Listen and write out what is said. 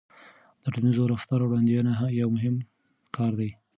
د ټولنیز رفتار وړاندوينه یو مهم کار دی.